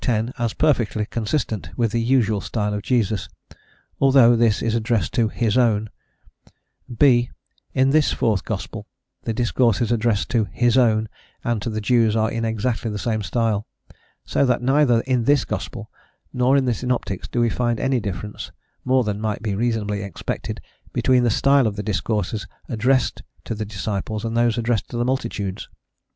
x. as perfectly consistent with the usual style of Jesus, although this is addressed to "his own;" (b), In this fourth gospel the discourses addressed to "his own" and to the Jews are in exactly the same style; so that, neither in this gospel, nor in the synoptics do we find any difference more than might be reasonably expected between the style of the discourses addressed to the disciples and those addressed to the multitudes.